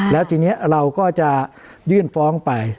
แล้วทีนี้เราก็จะยื่นฟ้องไป